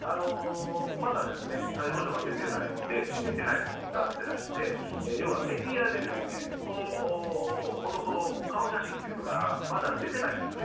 まだ逮捕状が出てないので、指名手配も打たれてないので、要はメディアでこの男の顔写真というのが、まだ出てないんですよね。